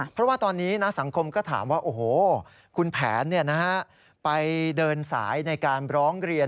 เพราะว่าตอนนี้นะสังคมก็ถามว่าโอ้โหคุณแผนไปเดินสายในการร้องเรียน